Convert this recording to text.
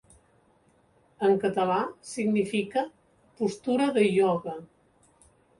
En català significa 'postura de ioga'.